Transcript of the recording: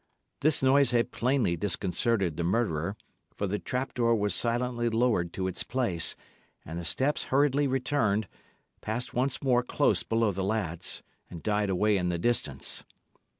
This noise had plainly disconcerted the murderer, for the trap door was silently lowered to its place, and the steps hurriedly returned, passed once more close below the lads, and died away in the distance.